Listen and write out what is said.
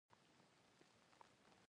جبار خان وویل: زمري شراب راواخله.